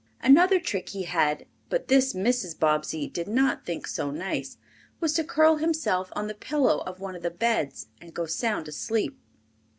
Another trick he had, but this Mrs. Bobbsey did not think so nice, was to curl himself on the pillow of one of the beds and go sound asleep.